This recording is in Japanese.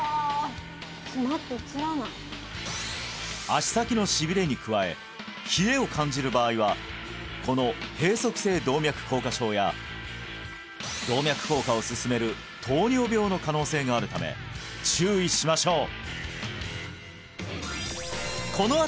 足先のしびれに加え冷えを感じる場合はこの閉塞性動脈硬化症や動脈硬化を進める糖尿病の可能性があるため注意しましょう